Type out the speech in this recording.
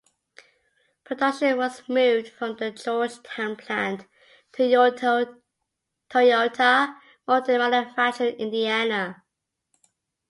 Production was moved from the Georgetown plant to Toyota Motor Manufacturing Indiana.